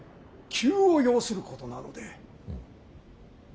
急を要することなので。